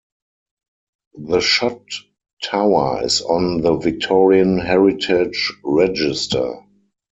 The shot tower is on the Victorian Heritage Register.